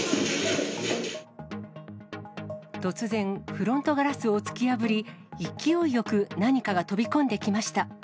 突然、フロントガラスを突き破り、勢いよく何かが飛び込んできました。